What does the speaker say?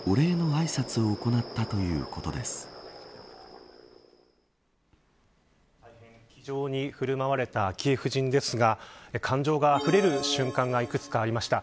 大変、気丈に振る舞われた昭恵夫人ですが感情があふれる瞬間がいくつかありました。